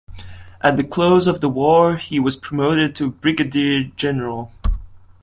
At the close of the war he was promoted to brigadier general.